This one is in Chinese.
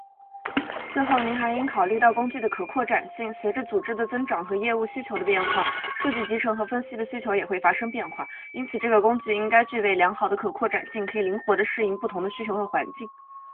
最后，您还应该考虑到工具的可扩展性。随着组织的增长和业务需求的变化，数据集成和分析的需求也会发生变化。因此，这个工具应该具备良好的可扩展性，可以灵活地适应不同的需求和环境。